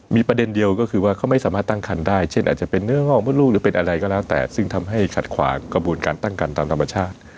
มีประเด็นเดียวก็คือว่าเขาไม่สามารถตั้งคันได้เช่นอาจจะเป็นเนื้องอกมดลูกหรือเป็นอะไรก็แล้วแต่ซึ่งทำให้ขัดขวางกระบวนการตั้งคันตามธรรมชาติ